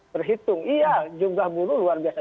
berhitung iya jumlah buruh luar biasa